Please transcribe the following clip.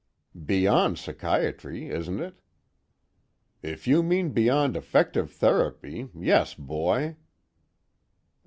"Beyond psychiatry, isn't it?" "If you mean beyond effective therapy, yes, boy."